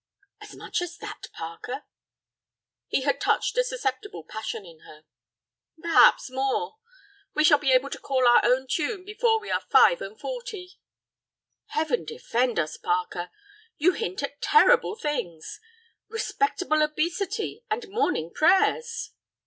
"As much as that, Parker?" He had touched a susceptible passion in her. "Perhaps more. We shall be able to call our own tune before we are five and forty." "Heaven defend us, Parker, you hint at terrible things. Respectable obesity, and morning prayers."